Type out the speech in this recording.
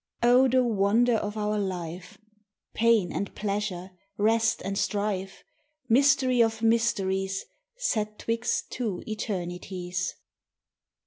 Oh the wonder of our life, Pain and pleasure, rest and strife, Mystery of mysteries, Set twixt two eternities!